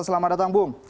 selamat datang bung